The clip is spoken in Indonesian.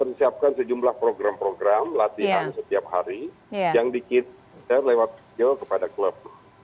saya menyiapkan sejumlah program program latihan setiap hari yang dikirakan lewat video kepada klub